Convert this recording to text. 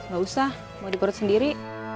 gak usah mau diparut sendiri